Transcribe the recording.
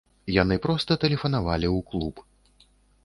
Яны проста тэлефанавалі ў клуб.